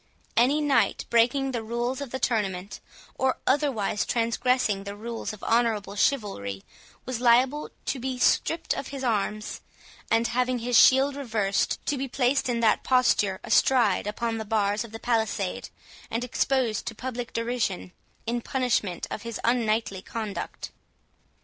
Any knight breaking the rules of the tournament, or otherwise transgressing the rules of honourable chivalry, was liable to be stript of his arms, and, having his shield reversed to be placed in that posture astride upon the bars of the palisade, and exposed to public derision, in punishment of his unknightly conduct.